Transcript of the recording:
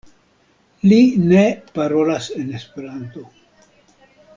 Li ne parolas en Esperanto.